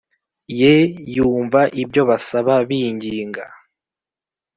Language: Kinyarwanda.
ye yumva ibyo basaba binginga